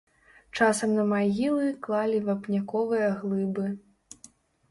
Часам на магілы клалі вапняковыя глыбы.